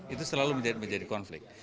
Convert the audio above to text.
itu selalu menjadi konflik